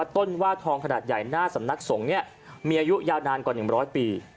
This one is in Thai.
ต้นว่าทองขนาดใหญ่หน้าสำนักสงฆ์มีอายุยาวนานกว่า๑๐๐ปี